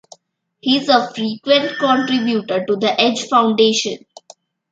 He is a frequent contributor to the Edge Foundation.